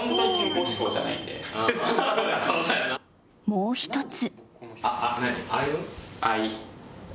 もう１つ。